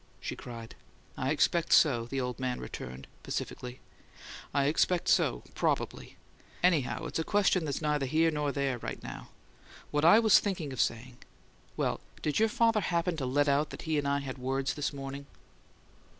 she cried. "I expect so," the old man returned, pacifically. "I expect so, probably. Anyhow, it's a question that's neither here nor there, right now. What I was thinking of saying well, did your father happen to let out that he and I had words this morning?"